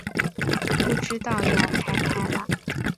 不知道要开拍了